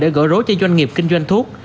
để gỡ rối cho doanh nghiệp kinh doanh thuốc